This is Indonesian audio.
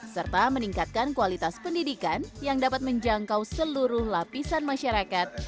serta meningkatkan kualitas pendidikan yang dapat menjangkau seluruh lapisan masyarakat